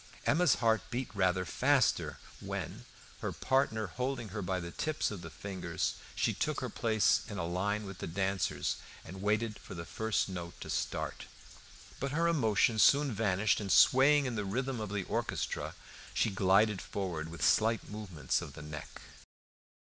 Emma's heart beat rather faster when, her partner holding her by the tips of the fingers, she took her place in a line with the dancers, and waited for the first note to start. But her emotion soon vanished, and, swaying to the rhythm of the orchestra, she glided forward with slight movements of the neck.